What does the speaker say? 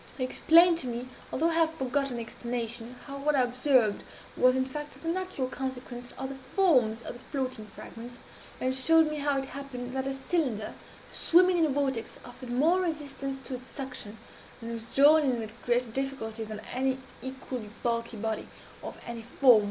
He explained to me although I have forgotten the explanation how what I observed was, in fact, the natural consequence of the forms of the floating fragments, and showed me how it happened that a cylinder, swimming in a vortex, offered more resistance to its suction, and was drawn in with greater difficulty, than an equally bulky body, of any form whatever.